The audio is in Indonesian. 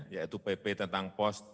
yaitu pp tentang post